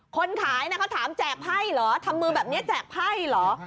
คนขายเขาถามแจกไพ่เหรอทำมือแบบนี้แจกไพ่เหรอ